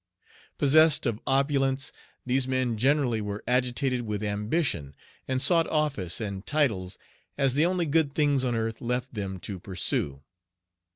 Possessed of opulence, these men generally Page 31 were agitated with ambition, and sought office and titles as the only good things on earth left them to pursue.